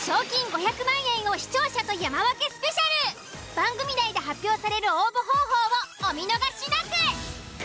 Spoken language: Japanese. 番組内で発表される応募方法をお見逃しなく！